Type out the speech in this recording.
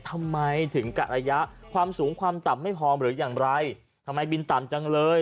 ทำไมถึงกะระยะความสูงความต่ำไม่พอหรืออย่างไรทำไมบินต่ำจังเลย